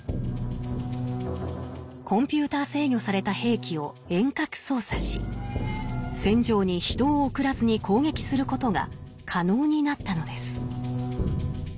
コンピューター制御された兵器を遠隔操作し戦場に人を送らずに攻撃することが可能になったのです。